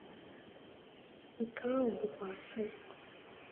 Nke ahụ bụkwa asị